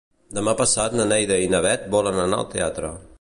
Demà passat na Neida i na Bet volen anar al teatre.